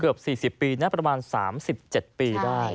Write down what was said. เกือบ๔๐ปีนะประมาณ๓๗ปีได้